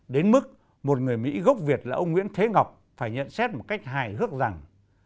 đến mức một người mỹ gốc việt là ông nguyễn thế ngọc phải nhận xét một cách hài hước rằng